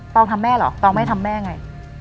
องทำแม่เหรอตองไม่ทำแม่ไง